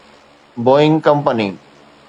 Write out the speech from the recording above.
Boeing company